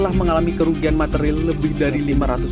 karena kan bangunannya belum beres